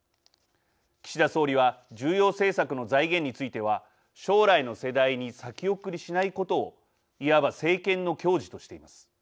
岸田総理は重要政策の財源については将来の世代に先送りしないことをいわば政権のきょうじとしています。